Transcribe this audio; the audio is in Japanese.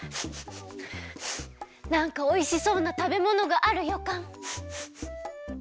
なんかおいしそうなたべものがあるよかん。